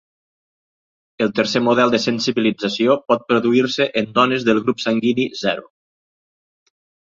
El tercer model de sensibilització pot produir-se en dones del grup sanguini O.